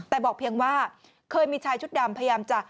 แต่บอกเพียงว่าเคยมีชายชุดดำพยายามจะ